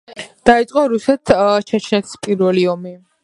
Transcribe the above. დაიწყო რუსეთ–ჩეჩნეთის პირველი ომი.